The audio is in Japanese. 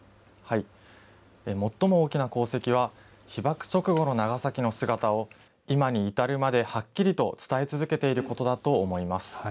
最も大きな功績は、被爆直後の長崎の姿を、今に至るまではっきりと伝え続けていることだと思います。